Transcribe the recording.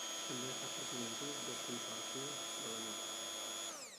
També ha estat presidenta del Consorci de la Mina.